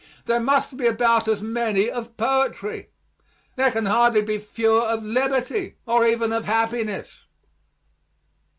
There must be about as many of poetry. There can hardly be fewer of liberty, or even of happiness.